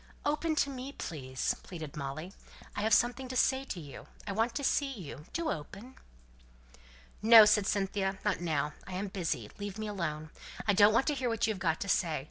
"Open to me, please," pleaded Molly. "I have something to say to you I want to see you do open!" "No!" said Cynthia. "Not now. I am busy. Leave me alone. I don't want to hear what you have got to say.